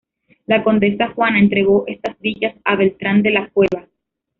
La condesa Juana entregó estas villas a Beltrán de la Cueva.